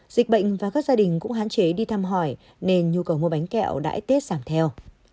dịch bệnh và các gia đình cũng hạn chế đi thăm hỏi nên nhu cầu mua bánh kẹo đãi tết giảm theo